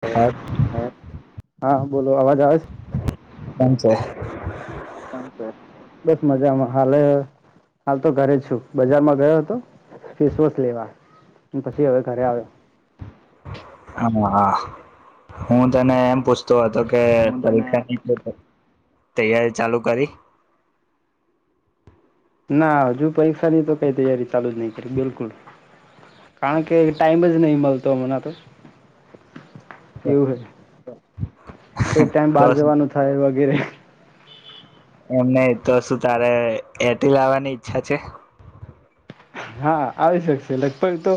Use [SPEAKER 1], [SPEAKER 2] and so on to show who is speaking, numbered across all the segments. [SPEAKER 1] હા હા હા બોલો અવાજ આવવાજ
[SPEAKER 2] કેમ છે,
[SPEAKER 1] છો? બસ મજામાં હલે હાલ તો ઘરે છું, બજારમાં ગયો હતો ફેસવોશ લેવા પછી, હવે ઘરે આવ્યો
[SPEAKER 2] હા હા હું તને એમ પૂછ તો હતો કે
[SPEAKER 1] હું તને
[SPEAKER 2] પરીક્ષા ન તૈયારી ચાલુ કરી?
[SPEAKER 1] ના હજુ પરીક્ષાની તો કઈ તૈયારી ચાલુ જ નહી, કરી બિલકુલ કારણ કે ટાઈમ જ નહી, મળતો મને તો એવું હય કોઈક ટાઈમ
[SPEAKER 2] તો
[SPEAKER 1] બહાર
[SPEAKER 2] શું
[SPEAKER 1] જવાનું થાય, વગેરે
[SPEAKER 2] એમ નહી તો શું તારે એથી લાવવાની ઈચ્છા છે,
[SPEAKER 1] હા આવી શકશે લગભગ તો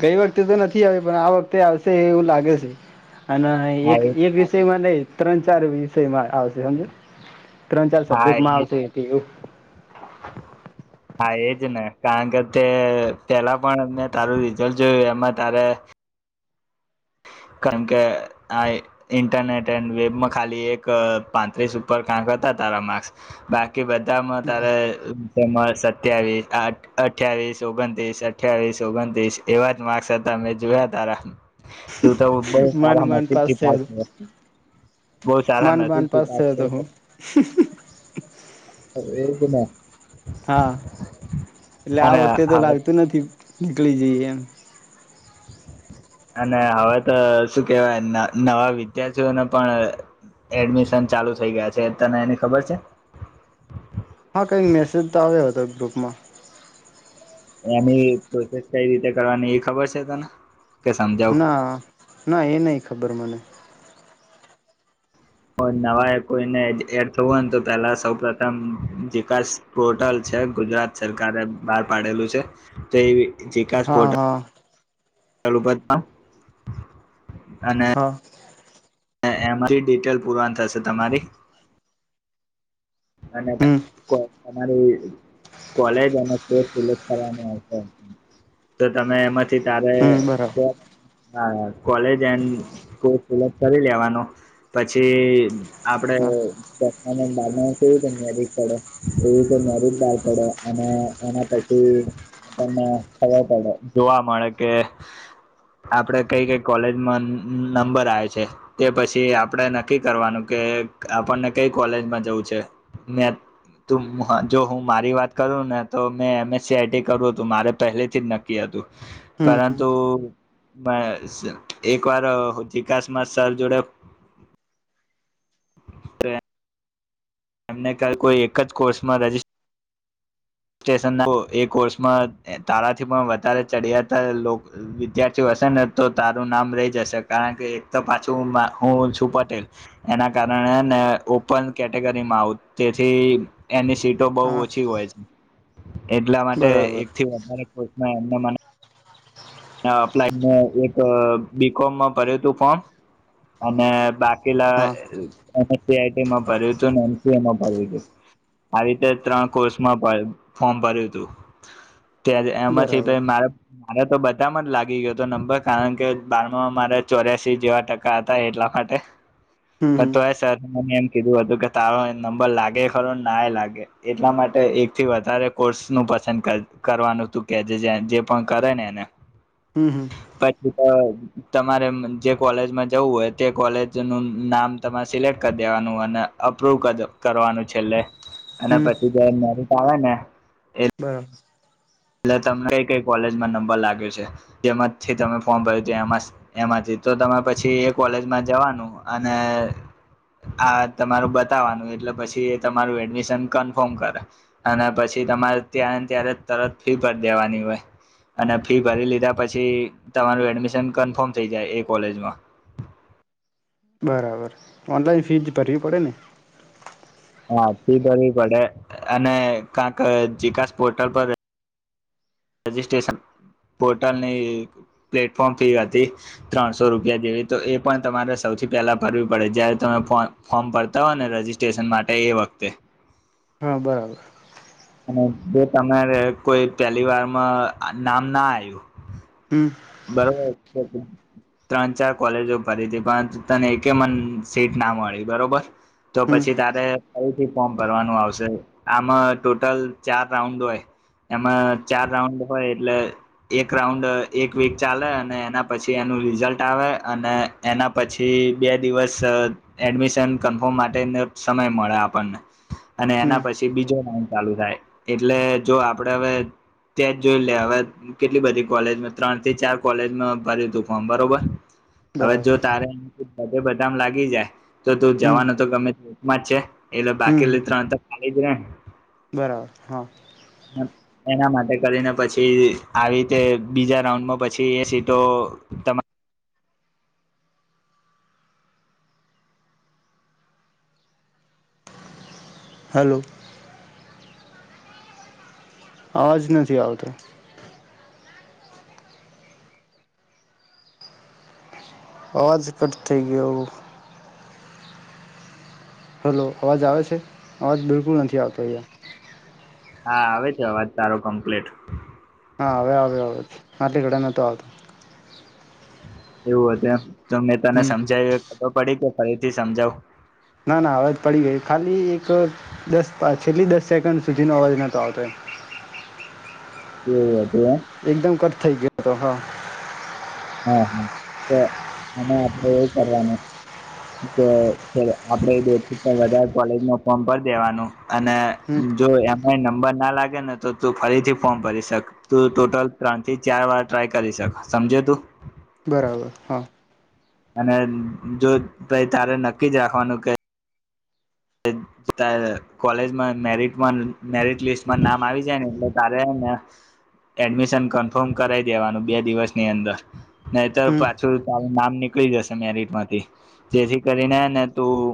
[SPEAKER 1] ગઈ વખતે તો નથી, આવે પણ આ વખતે આવશે એવું લાગે છે, અને
[SPEAKER 2] હા
[SPEAKER 1] એક
[SPEAKER 2] એ
[SPEAKER 1] એક વિષયમાંને ત્રણ ચાર વિષયમાં આવશે સમજો ત્રણ ચાર
[SPEAKER 2] હા
[SPEAKER 1] સબ્જેક્ટ માં
[SPEAKER 2] એ
[SPEAKER 1] આવશે એવું [unintelligible]
[SPEAKER 2] હા, એજ ને કારણ કે તે પેલા પણ મેં તારું રિઝલ્ટ જોયું એમાં તારે કાર કે આ ઇન્ટરનેટ એન્ડ વેબમાં ખાલી એક પાંત્રીસ ઉપર કાંક હતા, તારા માર્સ કે બધામાં તારે સત્યાવીસ અઠવીસ ઓગણત્રીસ અઠ્યાવીસ ઓગણત્રીસ એવા જ માર્ક્સ હતા, મેં જોયા તારા તું તો બહ
[SPEAKER 1] માંડ
[SPEAKER 2] સારા
[SPEAKER 1] માંડ પાસ
[SPEAKER 2] નસીબથી
[SPEAKER 1] થયો
[SPEAKER 2] પા
[SPEAKER 1] હતો
[SPEAKER 2] બહ સારા
[SPEAKER 1] માંડ માંડ
[SPEAKER 2] નસીબથી
[SPEAKER 1] પાસ
[SPEAKER 2] પા
[SPEAKER 1] થયો હતો હું
[SPEAKER 2] બમાં
[SPEAKER 1] હા એટલે આ
[SPEAKER 2] અને
[SPEAKER 1] વખતે તો
[SPEAKER 2] હવે
[SPEAKER 1] લાગતું નથી, જઈએ એમ
[SPEAKER 2] અને હવે તો શું કેવાય નવા વિદ્યાર્થીઓને પણ એડમિશન ચાલુ થઈ ગયા છે, તને એની ખબર છે,
[SPEAKER 1] હા કઈક મેસેજ તો આવ્યો હતો, ગ્રુપમાં
[SPEAKER 2] એની પ્રોસેસ કઈ રીતે કરવાની એ ખબર છે, તને? કે સમજાવું
[SPEAKER 1] ના ના એ નહ ખબર મને
[SPEAKER 2] નવા કોઈને એડ થવું હોયને તો પેલા સૌ પ્રથમ વિકાસ પોર્ટલ છે, ગુજરાત સરકારે બહાર પાડેલું છે, તો એ જેકાાસ
[SPEAKER 1] હા
[SPEAKER 2] સ્પોર્ટ
[SPEAKER 1] હા
[SPEAKER 2] ચાલું પ
[SPEAKER 1] હા
[SPEAKER 2] એમાંથી ડિટેલ પુરવાન થશે તમારી અને
[SPEAKER 1] હમ
[SPEAKER 2] તમારી કોલેજ અનેિ કરવા આવશે તો તમે એમાં તારે
[SPEAKER 1] હમ બરાબર
[SPEAKER 2] તો હા, કોલેજ એન્લ કરી લેવાનો પછી આપડે
[SPEAKER 1] હા
[SPEAKER 2] દસ બ મે પડે એવી રીતે મેરિક બાર પડે અને એના પછી, આપણને ખબર પડે જોવા મળે કે આપણે કઈ કઈ કોલેજમાં નંબર આવે છે, તે પછી આપણે નક્કી કરવાનું કે આપણને કઈ કોલેજમાં જવું છે. મે જો હું મારી વાત કરું ને તો મેં એમએસસી આઈટી કરું હતું, મારે પહેલેથી જ નક્કી હતું
[SPEAKER 1] હમ
[SPEAKER 2] પરંતુ એક વાર વિકાસમાં સર જોડે [unintelligible] એમને ક કોઈ એક જ કોર્સમાં રજિસ્ટ સ્ટન એ કોર્સમાં તારાથી પણ વધારે ચડિયાતા વિદ્યાર્થી હશે ને તો તારું નામ રહી જશે કારણ કે એક તો પાછું હું છું પટેલ એના કારણેને ઓપન કેટેગરીમાં આવું તેથી એની સ તો બહુ
[SPEAKER 1] હા
[SPEAKER 2] ઓછી હોય છે એટલા માટે
[SPEAKER 1] બરાબર
[SPEAKER 2] એકથી વધારે ના મને અપ્લાય એક બીકોમમાં ભર્યું હતું ફોર્મ અને બાકી કેલા
[SPEAKER 1] હા
[SPEAKER 2] સીઆઈટીમાં ભર્યું હતું એમસીએમાં ભર્યું હતું આવી રીતે ત્રણ કોર્સમાં ફોર્મ ભર્યું હતું ત્યા
[SPEAKER 1] બરાબર
[SPEAKER 2] એમાંથી મારા મારા બત લાગી ગયો હતો નંબર કારણ કે બારમા મારા ચોર્યાસી જેવા ટકા હતા એટલા માટે
[SPEAKER 1] હમ
[SPEAKER 2] પ
[SPEAKER 1] હમ
[SPEAKER 2] તો એ સરમ કીધું હતું કે તારો નંબર લાગે ખરો ના એ લાગે એટલા માટે એક થી વધારે કોર્સ નું પસંદ કરવાનું તું કે જે જે પણ કરે નેને
[SPEAKER 1] હમ હમ
[SPEAKER 2] પછી તો તમારે જે કોલેજમાં જવું હોય તે કોલેજનુંું નામ તમારે સિલેક્ટ કરી દેવાનુંય અને અપ્રુવ કરવાનું છેલ્લે અને
[SPEAKER 1] હમ
[SPEAKER 2] પછી જે મેરીટ આવે ને
[SPEAKER 1] [unintelligible]
[SPEAKER 2] એટલે તમને કઈ કઈ કોલેજમાં નંબર લાગ્યો છે જેમાંથી તમે ફોર્મ ભર્યું [unintelligible] એમાંથી તો તમે પછી એ કોલેજમાં જવાનું અને આ તમારું બતાવવાનું એટલે પછી એ તમારું એડમિશન કન્ફર્મ કરે અને પછી તમારે ત્યારે ત્યારે તરત ફી ભરી દેવાની હોય અને ફી ભરી લીધા પછી તમારું એડમિશન કન્ફર્મ થઈ જાય એ કોલેજમાં
[SPEAKER 1] બરાબર ઓનલાઈન ફીજ ભરવી પડે ને
[SPEAKER 2] હા ફી ભરવી પડે અને [unintelligible] જીકાસ પોર્ટલ પર રજિસ્ટ્રેશન પોર્ટલની પ્લેટફોર્મ ફી હતી ત્રણસો રૂપિયા જેવી તો એ પણ તમારે સૌથી પહેલા ભરવી પડે જ્યારે તમે ફોર્મ ભરતા હો ને રજીસ્ટ્રેશન માટે એ વખતે
[SPEAKER 1] હા બરાબર
[SPEAKER 2] અને જો તમારે કોઈ પહેલી વારમાં નામ ના આયું
[SPEAKER 1] હમ
[SPEAKER 2] બરોબર ત્રણ ચાર કોલેજો ફરી તી પણ તને એકયમાં સીટ ના મળી બરોબર તો
[SPEAKER 1] હમ
[SPEAKER 2] પછી તારે [unintelligible] ફોર્મ ભરવાનું આવશે આમાં ટોટલ ચાર રાઉન્ડ હોય એમાં ચાર રાઉન્ડ હોય એટલે એક રાઉન્ડ એક વિક ચાલે અને એના પછી એનું રિઝલ્ટ આવે અને એના પછી બે દિવસ એડમિશન કન્ફર્મ માટેને સમય મળે આપણને અને
[SPEAKER 1] હમ
[SPEAKER 2] એના પછી બીજો રાઉન્ડ ચાલુ થાય એટલે જો આપડે હવે ત્યા જ જોઈ લે હવે કેટલી બધી કોલેજ ત્રણ થી ચાર કોલેજમાં ભર્યું તું ફોર્મ બરોબર હવે જો
[SPEAKER 1] બરાબર
[SPEAKER 2] તારે બધે બધા મ લાગી જાય તો તું
[SPEAKER 1] હમ
[SPEAKER 2] જવાનું તો ગમે મ છે
[SPEAKER 1] હમ
[SPEAKER 2] [unintelligible]
[SPEAKER 1] બરાબર હા
[SPEAKER 2] ને. એના માટે કરીને પછી આ રીતે બીજા રાઉન્ડમાં પછી એ સીધો તમા
[SPEAKER 1] હલો આવાજ નથી આવતો અવાજ કટ થઈ ગયો હલો અવાજ આવે છે અવાજ બિલકુલ નથી આવતો અહીયા
[SPEAKER 2] હા આવે છે અવાજ તારો કમ્પ્લીટ
[SPEAKER 1] હા હવે આવે અવાજ [unintelligible] નતો આવતો
[SPEAKER 2] એવું હતું એમ જો મેં તને
[SPEAKER 1] હમ
[SPEAKER 2] સમજાયુ ખબર પડી કે ફરીથી સમજાવ
[SPEAKER 1] ના ના અવે પડી ગઈ ખાલી એક દસ પા છેલી દસ સેકન્ડ સુધીનો અવાજ નતો આવતો
[SPEAKER 2] [inaudible]
[SPEAKER 1] એકદમ કટ થઈ ગયો અતો હ
[SPEAKER 2] હા હા તો અને આપડે એ કરવાનું કે આપણે [unintelligible] વધારે કોલેજ મા ફોર્મ પર દેવાનું અને
[SPEAKER 1] હમ
[SPEAKER 2] જો એમાય નંબર ના લાગે ને તો તું ફરીથી ફોર્મ ભરી શક તું ટોટલ ત્રણ થી ચાર વાર ટ્રાય કરી શક સમજયો તું
[SPEAKER 1] બરાબર હા
[SPEAKER 2] અને જો પઇ તારે નક્કી જ રાખવાનું કે ત કોલેજમાં મેરિટમા મેરિટ લિસ્ટમાં નામ આવી જાય ને એટલે તારેને એડમિશન કન્ફર્મ કરાવ દેવાનું બે દિવસની અંદર નહીતર
[SPEAKER 1] હમ
[SPEAKER 2] પાછું તારે નામ નીકળી જશે મેરીટ માંથી જેથી કરીને ને તું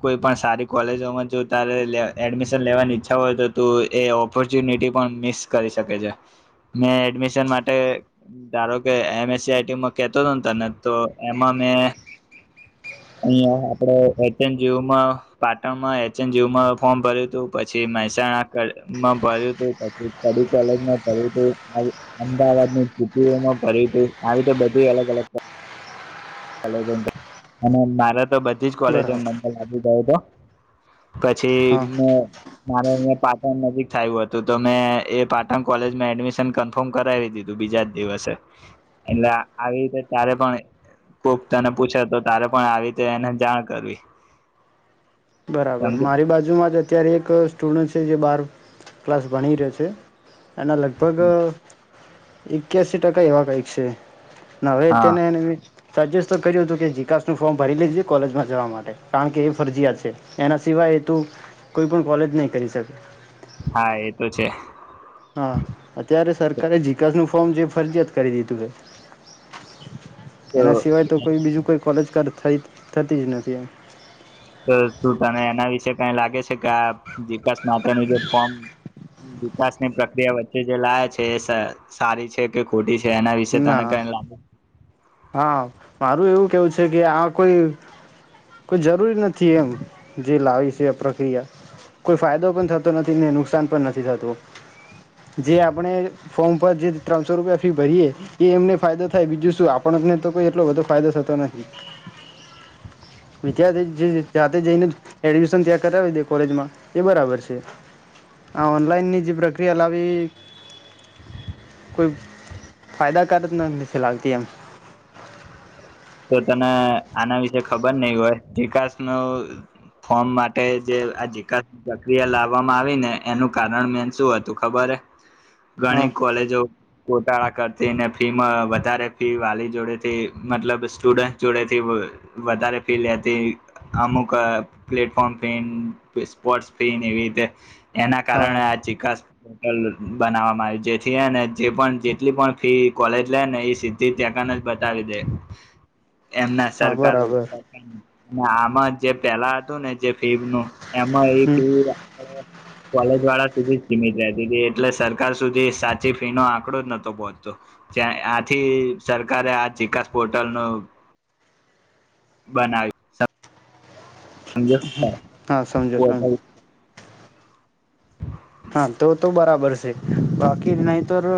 [SPEAKER 2] કોઈ પણ સારી કોલેજોમાં જો તારે એડમિશન લેવાની ઈચ્છા હોય તો તું એ ઓપોર્ચુનિટી પણ મિસ કરી શકે છે મેં એડમિશન માટે ધારો કે એમસસીટી કેતો હતોને તને તો એમાં મે અહીંયા આપણે એચ એન જયુમાં પાટણમાં એચ એન જયુમાં ફોર્મ ભર્યું હતું પછી મહેસાણામાં ભર્યું હતું પછી કડી કોલેજમાં ભર્યું હતું અમદાવાદ સિટીઓમાં ભર્યું હતું આવી રીતે બધું અલગ અલગ [inaudible] તો બધી જ કોલેજો
[SPEAKER 1] બરાબર
[SPEAKER 2] નંબર લાગી ગયો હતો પછી
[SPEAKER 1] હા
[SPEAKER 2] મુ મારે પાટણ નજીક થયું હતું તો મેં એ પાટણ કોલેજમાં એડમિશન કન્ફર્મ કરાવી દીધું બીજા જ દિવસે એટલે આવી રીતે ત્યારે પણ કોક તને પૂછે તો તારે પણ આવી રીતે એને જાણ કરવી
[SPEAKER 1] બરાબર
[SPEAKER 2] સમજે
[SPEAKER 1] મારી બાજુમાં જ અત્યારે એક સ્ટુડ જે બાર ક્લાસ ભણીરે છે. એના લગભગ એક્યાસી ટકા એવા કંઈક છે. નવેતે
[SPEAKER 2] હા
[SPEAKER 1] ને સજેસ્ટ તો કર્યું હતું કે જીિકાસનું ફોર્મ ભરી લેજે કોલેજમાં જવા માટે કારણ કે એ ફરજીયાત છે એના સિવાય તું કોઈ પણ કોલેજ નહીં કરી શકે.
[SPEAKER 2] હા એ તો છે.
[SPEAKER 1] હા અત્યારે સરકારે જિકાસ નું ફોર્મ જે ફરજીિયાત કરી દી તગ
[SPEAKER 2] તો
[SPEAKER 1] એના સિવાય તો કોઈ બીજું કોઈ કોલેજ ઘર થરતી જ નથી પ્યા
[SPEAKER 2] તો શું તને એના વિશે કઈ લાગે છે વાસ માટેનું જે ફોર્મ વિકાસની પ્રક્રિયા વચ્ચે જે લા છે એ સારી છે કે ખોટી છે એના વિશે તને
[SPEAKER 1] ના
[SPEAKER 2] કઈ લાગે
[SPEAKER 1] હા મારું એવું કેવું છે કે આ કોઈ કોઈ જરૂરી નથી એમ જે લાવી છે આ પ્રક્રિયા કોઈ ફાયદો પણ થતો નથી ને નુકસાન પણ નથી થતું જે આપણે ફોર્મ પર જે ત્રણસો રૂપિયા ફી ભરીએે એ એમને ફાયદો થાય બીજું શું ટલો બધ ફાયદો થતો નથી વિદ્યાર્થી જાતે જઈને એડમિશન ત્યાં કરાવી દે કોલેજમાં એ બરાબર છે આ ઓનલાઈનની જે પ્રક્રિયા લાવી કોઈ ફાયદાકાર નથી લાગતી એમ
[SPEAKER 2] તો તને આના વિશે ખબર નહ હોય ચિકાસ ન ફોર્મ માટે જે આ જિકાસ પ્રક્રિયા લાવવામાં આવી ને એનું કારણ મેન શું હતું ખબર હ ઘણી
[SPEAKER 1] હા
[SPEAKER 2] કોલેજો કરતી ને ફી વધારે ફી વાલી જોડેથી મતલબ સ્ટુડન્ટ જોડે થી વધારે ફી લેતી અમુક પ્લેટફોર્મ ફી સ્પોર્ટસ ફીને એવી રીતે એના
[SPEAKER 1] હા
[SPEAKER 2] કારણે
[SPEAKER 1] હા
[SPEAKER 2] આ ચાસ લ બનાવવામાં આવ જેથીને જે પણ જેટલી પણ ફી કોલેજ લે ને એ સીધી ત્યાંકને જ બતાવી દે એમના
[SPEAKER 1] હા
[SPEAKER 2] સરકારકાર
[SPEAKER 1] બરાબર
[SPEAKER 2] અને આમાં જે પેલા હતું ને જે ફીહ નું એમાં એક
[SPEAKER 1] હમ
[SPEAKER 2] કોલેજ વાળા સુધી જ સીમિત રતી હતી એટલે સરકાર સુધી સાચી ફી નો આંકડો જ નહતો પહોંચતો્યાં આથી સરકારે આ ચિકાસ પોર્ટલ ન બનાયું
[SPEAKER 1] હા સમજો સમજો
[SPEAKER 2] [unintelligible]
[SPEAKER 1] હા તો તો બરાબર છે બાકી નહીંતર તો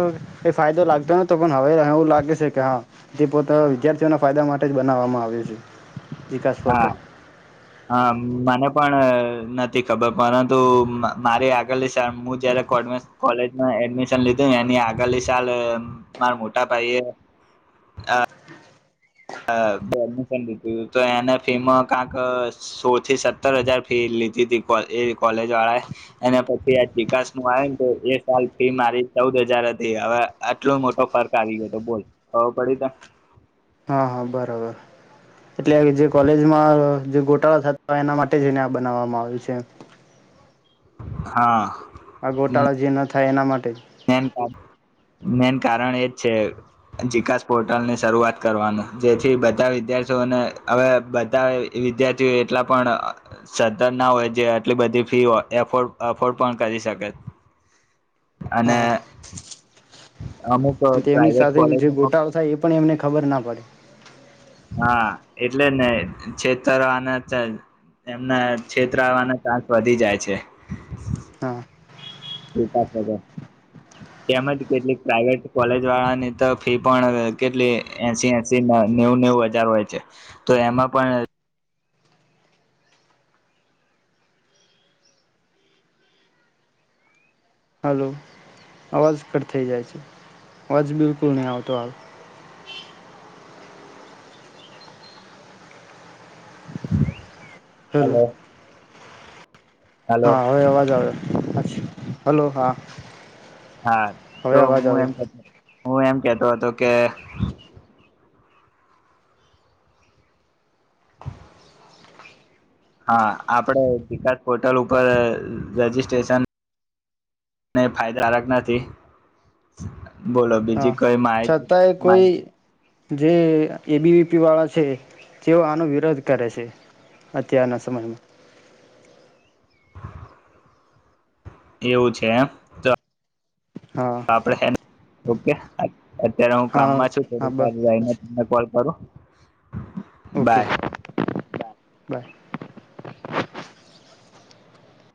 [SPEAKER 1] એ ફાયદો લાગતો નતો પણ હવે એવું લાગે છે કે હા જે પોતા વિદ્યાર્થીઓના ફાયદા માટે જ બનાવવામાં આવ્યો છે વિકાસ
[SPEAKER 2] હા
[SPEAKER 1] પોર્ટલ
[SPEAKER 2] હા મને પણ નથી ખબર પરંતુ મારી આગળ લી હું જયારે કૉમેર્સ કોલેજ એડમિશન લીધું એની આગળલી સાલ માર મોટા ભાઈ એ એડમિશન લીધુંું તો એને ફીમાં ક્યાક સો થી સત્તર હજાર ફી લીધી ત એ કોલેજ વાળા એ એને પછી આ વિકાસમાં આવે ને તો એ સાલ ફી મારી ચૌદ હજાર હતી હવે આટલો મોટો ફર્ક આવી ગયો હતો બોલ ખબર પડી ત
[SPEAKER 1] હા હા બરાબર એટલે જે કોલેજમાં જે ગોટાળા થતા હોય એના માટે જને આ બનાવવામાં આવ્યું છે
[SPEAKER 2] હા
[SPEAKER 1] આ ગોટાળા જે ના થાય એના માટે જ
[SPEAKER 2] મેન મેન કારણ એ જ છે જિકાસ પોર્ટલની શરૂઆત કરવાનું જેથી બધા વિદ્યાર્થીઓને હવે બધા વિદ્યાર્થીઓ એટલા પણ સતર ના હોય જે આટલી બધી ફી એફોર્ડ પણ કરી શકે અને અમુક
[SPEAKER 1] એમની
[SPEAKER 2] પ્રાઇવેટ
[SPEAKER 1] સાથે જે
[SPEAKER 2] કોલેજોમાં
[SPEAKER 1] ગોટાઓ થાય એ પણ એમને ખબર ના પડે
[SPEAKER 2] હા એટલે ને છેતરના એમના છેતરાવાના ચાન્સ વધી જાય છે
[SPEAKER 1] હા
[SPEAKER 2] તેમજ કેટલીક પ્રાઈવેટ કોલેજ વાળાની તો ફી પણ કેટલી એસી એસી નેવું નેવું હજાર હોય છે તો એમાં પણ
[SPEAKER 1] હલોો અવાજ કટ થઈ જાય છે અવાજ બિલકુલ નહી આવતો હાલ હેલો
[SPEAKER 2] હાલો
[SPEAKER 1] હા હવે અવાજ આવે હલો હા
[SPEAKER 2] હા તો
[SPEAKER 1] હવે અવાજ
[SPEAKER 2] હું એમ
[SPEAKER 1] આવ્યો
[SPEAKER 2] હું એમ કેતો હતો કે હા આપડે જીકાસ પોર્ટલ ઉપર રજીિસ્ટ્રેશન અને ફાયદાક નથી બોલો
[SPEAKER 1] હા
[SPEAKER 2] બીજી કઈ માહિતી
[SPEAKER 1] છતાંય કોઈ
[SPEAKER 2] માહિત
[SPEAKER 1] જે એબીવીપી વાળા છે તેઓ આનો વિરોધ કરે છે અત્યારના સમયમાં
[SPEAKER 2] એવું છેમ
[SPEAKER 1] હા
[SPEAKER 2] આપડ ઓકે અત્યારે હું
[SPEAKER 1] હા
[SPEAKER 2] કામમાં છું થોડ
[SPEAKER 1] હા
[SPEAKER 2] [unintelligible]
[SPEAKER 1] બસ
[SPEAKER 2] લઈને કોલ કરું હ [inaudible]
[SPEAKER 1] ઓકે બાય